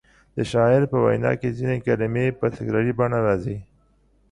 د شاعر په وینا کې ځینې کلمې په تکراري بڼه راځي.